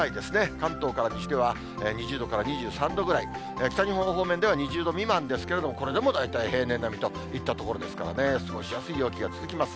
関東から西では２０度から２３度ぐらい、北日本方面では２０度未満ですけれども、これでも大体平年並みといったところですからね、過ごしやすい陽気が続きます。